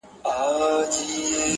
په دلیل او په منطق ښکلی انسان دی -